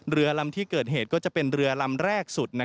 เรือลำที่เกิดเหตุก็จะเป็นเรือลำแรกสุด